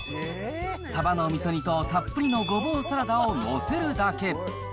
サバのみそ煮とたっぷりのゴボウサラダを載せるだけ。